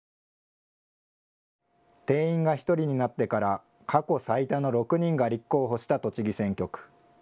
定員が１人になってから過去最多の６人が立候補した栃木選挙区。